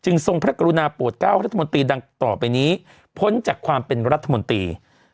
ทรงพระกรุณาโปรดเก้ารัฐมนตรีดังต่อไปนี้พ้นจากความเป็นรัฐมนตรี